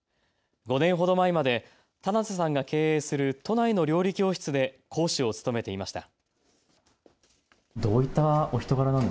５年ほど前まで棚瀬さんが経営する都内の料理教室で講師を務めていました。